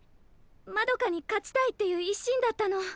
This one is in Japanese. まどかに勝ちたいっていう一心だったの。